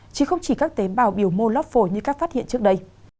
chứ không chỉ các tế bào biểu mô lóc phổi như các phát hiện trước đây